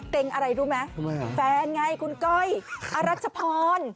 เกรงอะไรรู้ไหมแฟนไงคุณก้อยอรัชพร